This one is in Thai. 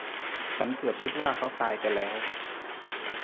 ฉันเกือบคิดว่าเขาตายไปแล้ว